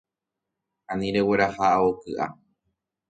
Ani regueraha ao ky’a.